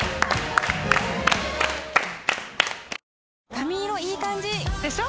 髪色いい感じ！でしょ？